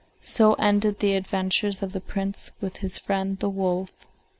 And so ended the adventures of the Prince with his friend the wolf.